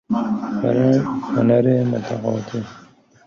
فنر متقاطع